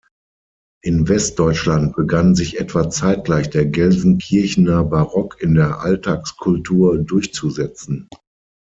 In Westdeutschland begann sich etwa zeitgleich der Gelsenkirchener Barock in der Alltagskultur durchzusetzen.